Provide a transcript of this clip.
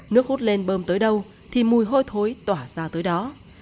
nước hút lên bơm tới đâu thì mùi hôi thối tỏa ra tới đó